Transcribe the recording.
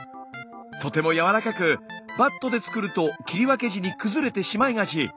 とてもやわらかくバットで作ると切り分け時に崩れてしまいがち。